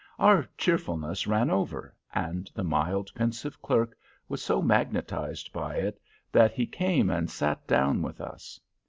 Our cheerfulness ran over, and the mild, pensive clerk was so magnetized by it that he came and sat down with us.